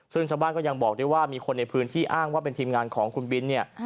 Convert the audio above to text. ซึ่งชาวบ้านก็ยังบอกได้ว่ามีคนในพื้นที่อ้างว่าเป็นทีมงานของคุณบินเนี่ย